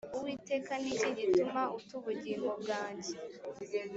uwiteka ni iki gituma uta ubugingo bwanjye